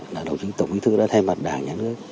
là đồng chí tổng thư đã thay mặt đh